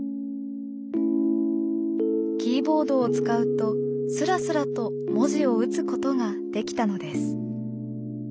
キーボードを使うとスラスラと文字を打つことができたのです。